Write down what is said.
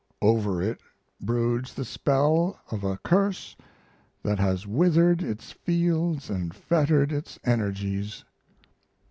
Over it broods the spell of a curse that has withered its fields and fettered its energies.